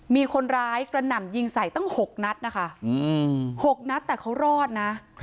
มีคนร้ายกระหน่ำยิงใส่ตั้ง๖นัดนะคะ๖นัดแต่เขารอดนะ